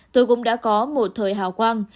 tôi cũng đã có một thời hào quang